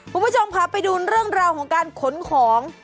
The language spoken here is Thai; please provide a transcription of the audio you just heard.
คุณผู้ชมค่ะไปดูเรื่องราวของการขนของ